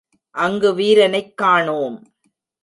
அங்கு வீரனைக் காணோம்!